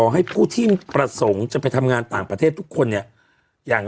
ให้ผู้ที่ประสงค์จะไปทำงานต่างประเทศทุกคนเนี่ยอย่าง